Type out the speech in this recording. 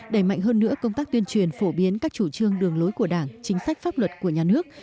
đẩy mạnh hơn nữa công tác tuyên truyền phổ biến các chủ trương đường lối của đảng chính sách pháp luật của nhà nước